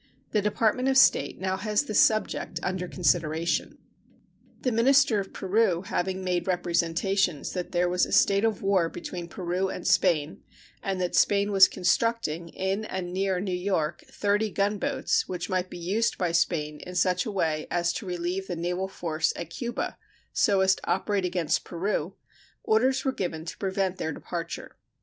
The Department of State has now this subject under consideration. The minister of Peru having made representations that there was a state of war between Peru and Spain, and that Spain was constructing, in and near New York, thirty gunboats, which might be used by Spain in such a way as to relieve the naval force at Cuba, so as to operate against Peru, orders were given to prevent their departure.